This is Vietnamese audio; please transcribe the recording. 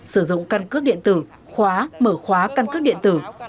sử dụng căn cước điện tử khóa mở khóa căn cước điện tử